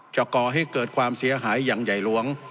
ก่อให้เกิดความเสียหายอย่างใหญ่หลวง